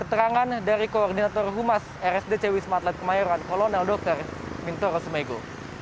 keterangan dari koordinator humas rsdc wismatlet kemayoran kolonel dr wintoro sumego